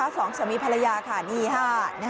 สองสมีย์ภรรยาค่ะนี่ฮะ